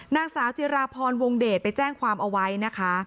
นางสาวจิราพรวงเดชไปแจ้งความเอาไว้นะคะ